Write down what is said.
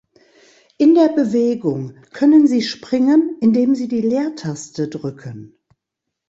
In der Bewegung können Sie springen, indem Sie die Leertaste drücken.